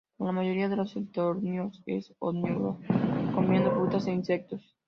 Como la mayoría de los estorninos, es omnívoro, comiendo frutas e insectos.